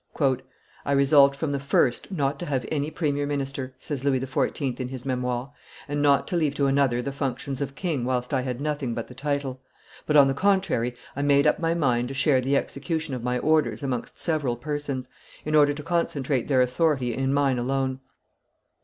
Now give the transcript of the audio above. "I resolved from the first not to have any premier minister," says Louis XIV. in his Memoires, "and not to leave to another the functions of king whilst I had nothing but the title. But, on the contrary, I made up my mind to share the execution of my orders amongst several persons, in order to concentrate their authority in my own alone.